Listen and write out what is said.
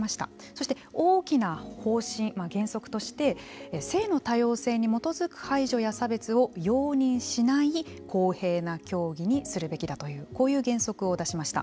そして、大きな方針原則として性の多様性に基づく排除や差別を容認しない公平な競技にするべきだというこういう原則を出しました。